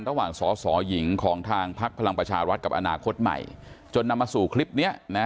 ระหว่างสอสอหญิงของทางพักพลังประชารัฐกับอนาคตใหม่จนนำมาสู่คลิปนี้นะ